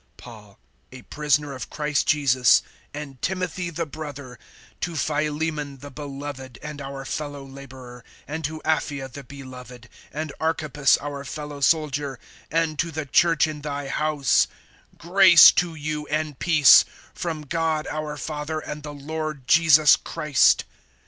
PAUL, a prisoner of Christ Jesus, and Timothy the brother, to Philemon the beloved and our fellow laborer, (2)and to Apphia the beloved[1:2], and Archippus our fellow soldier, and to the church in thy house: (3)Grace to you, and peace, from God our Father and the Lord Jesus Christ.